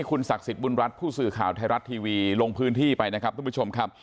คุณศักดิ์สิทธิบุญรัฐผู้สื่อข่าวไทยรัฐทีวีลงพื้นที่ไปนะครับทุกผู้ชมครับ